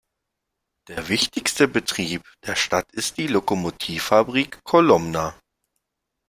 Der wichtigste Betrieb der Stadt ist die Lokomotivfabrik Kolomna.